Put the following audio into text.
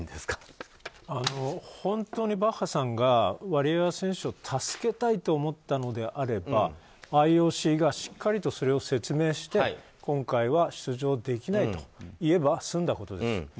本当にバッハさんがワリエワ選手を助けたいと思ったのであればＩＯＣがしっかりとそれを説明して今回は出場できないと言えば済んだことです。